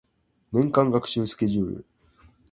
年間学習スケジュール